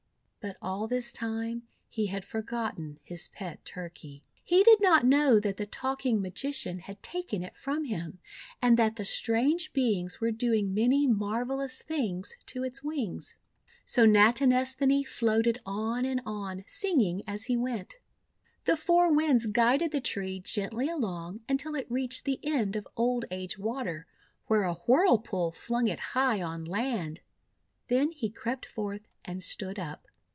'' But all this time he had forgotten his pet Turkey. He did not know that the Talking Magician had taken it from him, and that the strange Beings were doing many marvellous things to its wings. So Natinesthani floated on and on, singing as he went. The Four Winds guided the tree gently along until it reached the end of Old Age Water, where a whirlpool flung it high on land. Then he crept forth and stood up.